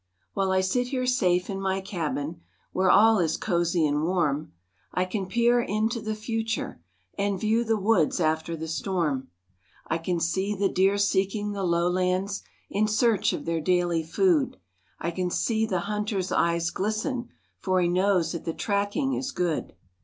While I sit here safe in my cabin Where all is cozy and warm, I can peer into the future, And view the woods after the storm. I can see the deer seeking the low lands, In search of their daily food, I can see the hunter's eyes glisten, For he knows that the tracking is good.